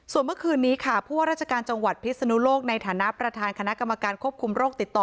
ส่วนเมื่อคืนนี้ค่ะผู้ว่าราชการจังหวัดพิศนุโลกในฐานะประธานคณะกรรมการควบคุมโรคติดต่อ